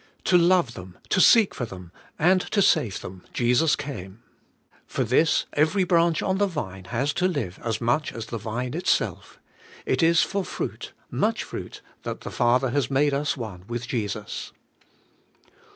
To love them, to seek for them, and to save them, Jesus came: for this every branch on the Vine has to live as much as the Vine itself. It is for AS THE BRANCH IN THE VINE. 39 fruity much f7^uit, that the Father has made us one with Jesus.